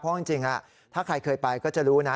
เพราะจริงถ้าใครเคยไปก็จะรู้นะ